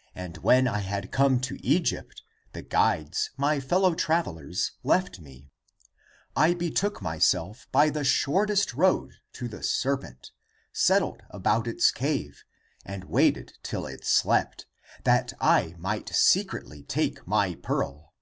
> And when I had come to Egypt, The guides, my fellow travelers, left me, I betook myself by the shortest road to the serpent, Settled about its cave. And waited till it slept That I might secretly take my pearl.